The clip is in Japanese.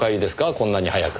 こんなに早く。